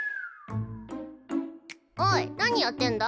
おい何やってんだ？